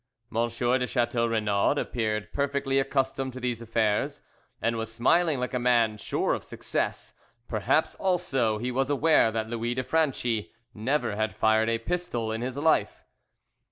M. de Chateau Renaud appeared perfectly accustomed to these affairs, and was smiling like a man sure of success; perhaps, also, he was aware that Louis de Franchi never had fired a pistol in his life.